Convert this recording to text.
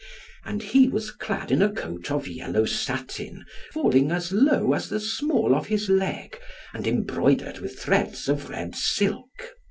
And he was clad in a coat of yellow satin, falling as low as the small of his leg, and embroidered with threads of red silk.